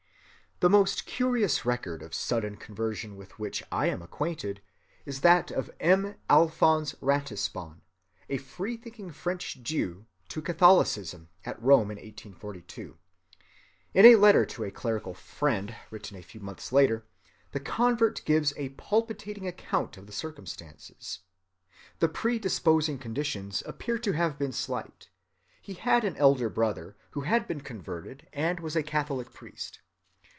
The most curious record of sudden conversion with which I am acquainted is that of M. Alphonse Ratisbonne, a freethinking French Jew, to Catholicism, at Rome in 1842. In a letter to a clerical friend, written a few months later, the convert gives a palpitating account of the circumstances.(121) The predisposing conditions appear to have been slight. He had an elder brother who had been converted and was a Catholic priest.